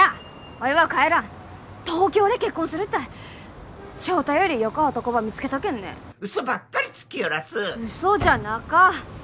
おいは帰らん東京で結婚するったい翔太よりよか男ば見つけたけんね嘘ばっかりつきよらす嘘じゃなか！